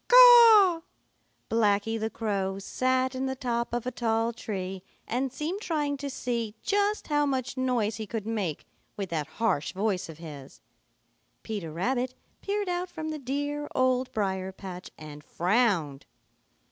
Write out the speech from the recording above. Blacky the Crow sat in the top of a tall tree and seemed trying to see just how much noise he could make with that harsh voice of his. Peter Rabbit peered out from the dear Old Briar patch and frowned.